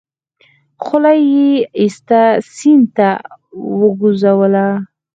خولۍ يې ايسته سيند ته يې وگوزوله.